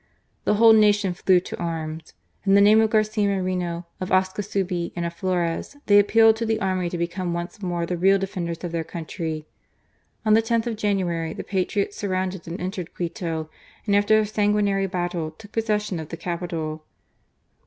The whole nation flew to arms. In the name of Garcia Moreno, of Ascasubi, and of Flores, they appealed to the army to become once more the real defenders of their country. On the loth of January the patriots surrounded and entered Quito, and after a sanguinary battle, took possession of the capital.